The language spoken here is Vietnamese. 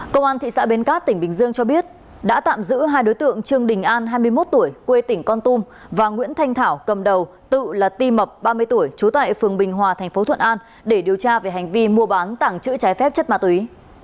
công an thị xã bến cát tỉnh bình dương cho biết đã tạm giữ hai đối tượng trương đình an hai mươi một tuổi quê tỉnh con tum và nguyễn thanh thảo cầm đầu tự là ti mập ba mươi tuổi trú tại phường bình hòa thành phố thuận an để điều tra về hành vi mua bán tảng chữ trái phép chất ma túy